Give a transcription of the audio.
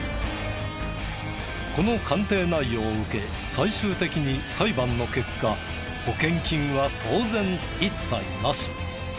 この鑑定内容を受け最終的に裁判の結果保険金は当然一切なし。